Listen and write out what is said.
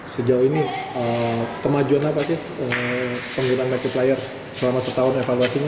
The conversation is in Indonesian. sejauh ini kemajuan apa sih penggunaan marketplayer selama setahun evaluasinya